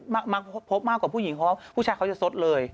พวกเขาพบผู้หญิงมากกว่าประคิดที่เหมือนเขาเขาจะซดเลย